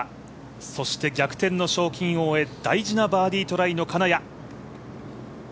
そして逆転の賞金王へ大事なバーディートライの金谷。